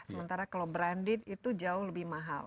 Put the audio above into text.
sementara kalau branded itu jauh lebih mahal